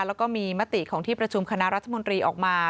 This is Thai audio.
แล้วก็มีมติของที่ประชุมคณะรัฐมนตรีออกมา